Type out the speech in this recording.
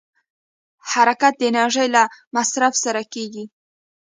حرکت د انرژۍ له مصرف سره کېږي.